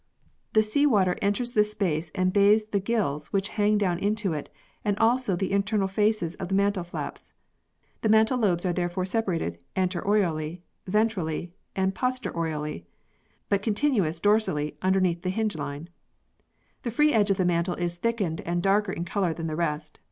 The sea water enters this space and bathes the gills which hang down into it and also the internal faces of the mantle flaps. The mantle lobes are therefore separated anteriorly, ventrally and posteriorly, but continuous dorsally underneath the hinge line. The free edge of the mantle is thickened and darker in colour than the rest.